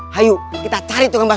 hayuk kita cari tuh gambar